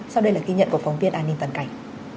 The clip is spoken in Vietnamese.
sau đây là ghi nhận của phóng viên an ninh toàn cảnh